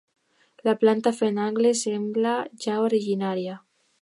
La planta fent angle sembla ja originària.